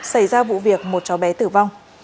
xảy ra vụ việc một chó bé tử vong